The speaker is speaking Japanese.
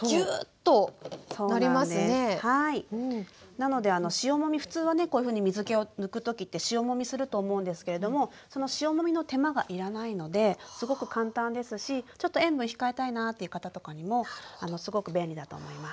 なので塩もみ普通はねこういうふうに水けを抜く時って塩もみすると思うんですけれどもその塩もみの手間がいらないのですごく簡単ですしちょっと塩分控えたいなという方とかにもすごく便利だと思います。